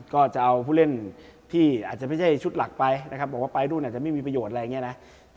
ก็จะเอาผู้เล่นที่อาจจะไม่ใช่ชุดหลักไปนะครับบอกว่าไปนู่นอาจจะไม่มีประโยชน์อะไรอย่างนี้นะ